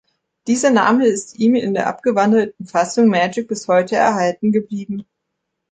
Dieser Name ist ihm in der abgewandelten Fassung „Magic“ bis heute erhalten geblieben.